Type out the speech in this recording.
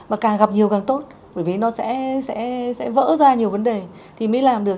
và càng gặp nhiều càng tốt bởi vì nó sẽ vỡ ra nhiều vấn đề thì mới làm được